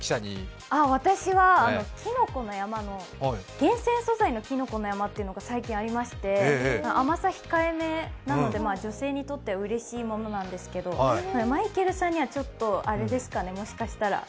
私はきのこの山の厳選素材のきのこの山というのが最近ありまして、甘さ控えめなので女性にとってはうれしいものなんですけどマイケルさんには、ちょっとあれですかね、もしかしたら。